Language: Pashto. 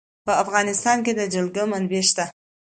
په افغانستان کې د جلګه منابع شته.